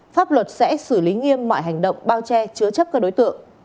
pháp luật sẽ xử lý nghiêm mọi hành động bao che chứa chấp các đối tượng